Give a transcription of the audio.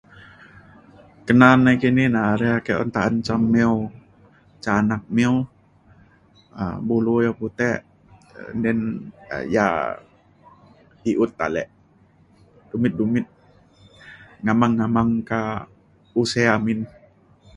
Kena nai kini ne re, ake un ta'an ca mew ca anak mew um bulu ia putek um then ya i'iut alek dumit-dumit ngamang-ngamang ka' usei amin.